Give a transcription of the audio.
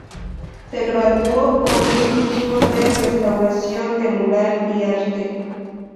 Se graduó con un título en Restauración de mural y arte.